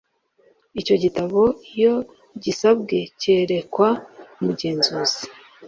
icyo gitabo iyo gisabwe cyerekwa umugenzuzi